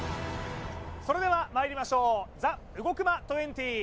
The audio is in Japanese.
それではまいりましょうＴＨＥ動く的２０